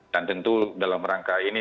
dan tentu dalam rangka ini